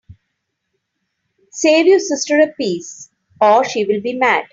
Save you sister a piece, or she will be mad.